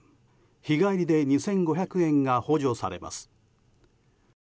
日帰りで２５００円が補助されます。